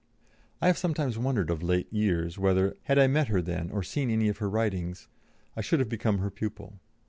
" I have sometimes wondered of late years whether, had I met her then or seen any of her writings, I should have become her pupil.